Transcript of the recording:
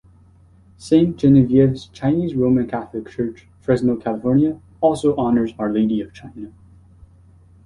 Saint Genevieve's Chinese Roman Catholic Church, Fresno, California also honors Our Lady of China.